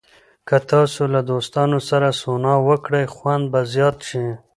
که تاسو له دوستانو سره سونا وکړئ، خوند به زیات شي.